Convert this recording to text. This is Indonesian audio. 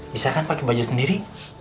bisa kan pake baju sendiri